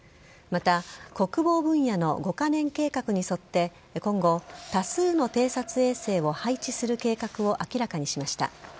また国防分野の５カ年計画に沿って今後、多数の偵察衛星を配置する計画を明らかにしました。